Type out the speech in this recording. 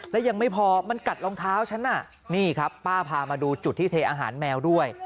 และยังไม่พอมันกัดรองเท้าฉันน่ะนี่ครับป้าพามาดูจุดที่เทอาหารแมวด้วย